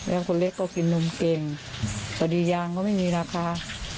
และคนเล็กก็กินนมเกลิ่นป่าวเดี่ยวก็ไม่มีราคา